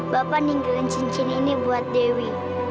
bapak ninggilin cincin ini buat dewi